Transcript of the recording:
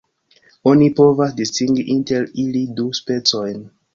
Oni povas distingi inter ili du specojn.